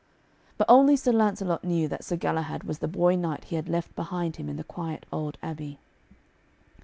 But only Sir Lancelot knew that Sir Galahad was the boy knight he had left behind him in the quiet old abbey.